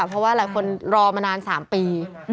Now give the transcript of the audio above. เพราะว่าหลายคนรอมานาน๓ปี